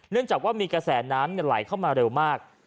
จากว่ามีกระแสน้ำไหลเข้ามาเร็วมาก